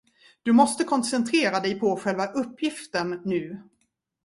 Du måste koncentrera dig på själva uppgiften nu.